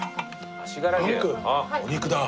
お肉だ！